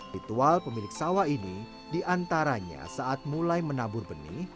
ritual pemilik sawah ini diantaranya saat mulai menabur benih